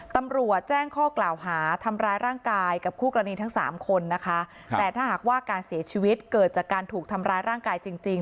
ตำรวจแจ้งข้อกล่าวหาทำร้ายร่างกายกับคู่กรณีทั้งสามคนนะคะแต่ถ้าหากว่าการเสียชีวิตเกิดจากการถูกทำร้ายร่างกายจริงจริง